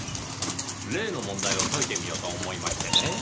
例の問題を解いてみようと思いましてね。